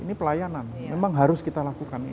ini pelayanan memang harus kita lakukan